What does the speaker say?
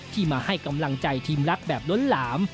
มาให้กำลังใจทีมรักแบบล้นหลาม